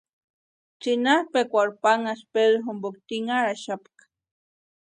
Tsʼinapʼikwarhu panhasti Pedritu jimpoka tinhaxapka.